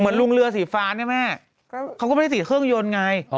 ลุงเรือสีฟ้าเนี่ยแม่เขาก็ไม่ได้สีเครื่องยนต์ไง